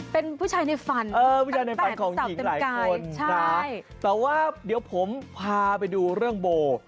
เป็นผู้ชายในฝันตั้งแต่สาวเต็มกายผู้ชายในฝันของหญิงหลายคนนะแต่ว่าเดี๋ยวผมพาไปดูเรื่องโบ